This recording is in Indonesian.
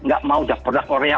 nggak mau udah produk korea